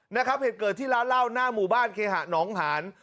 นะครับเหตุเกิดที่ร้านเหล้าหน้าหมู่บ้านเคหะหนองหาน